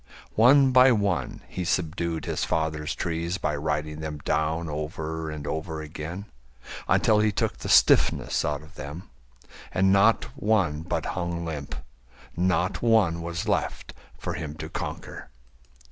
One by one he subdued his father's trees By riding them down over and over again Until he took the stiffness out of them, And not one but hung limp, not one was left For him to conquer.